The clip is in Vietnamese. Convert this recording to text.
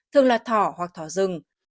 thường là thỏ hoặc thỏ rừng